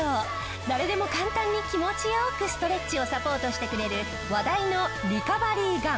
誰でも簡単に気持ち良くストレッチをサポートしてくれる話題のリカバリーガン！